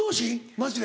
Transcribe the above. マジで。